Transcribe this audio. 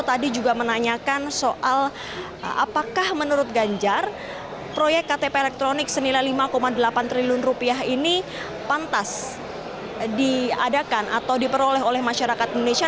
tadi juga menanyakan soal apakah menurut ganjar proyek ktp elektronik senilai lima delapan triliun rupiah ini pantas diadakan atau diperoleh oleh masyarakat indonesia